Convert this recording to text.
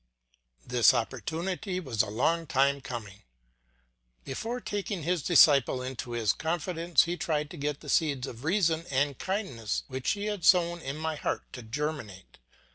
This opportunity was a long time coming. Before taking his disciple into his confidence, he tried to get the seeds of reason and kindness which he had sown in my heart to germinate.